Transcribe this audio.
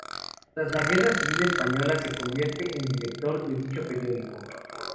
Tras la Guerra Civil Española se convierte en director de dicho periódico.